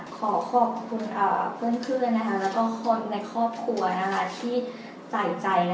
ขอขอบคุณเพื่อนแล้วก็คนในครอบครัวที่ใส่ใจ